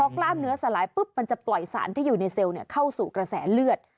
กล้ามเนื้อสลายปุ๊บมันจะปล่อยสารที่อยู่ในเซลล์เข้าสู่กระแสเลือด